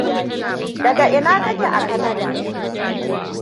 Daga ina ka ke a Canada?